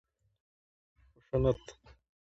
خشونت